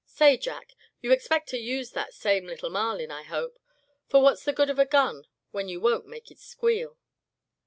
Say, Jack, you expect to use that same little Marlin, I hope; for what's the good of a gun when you won't make it squeal?"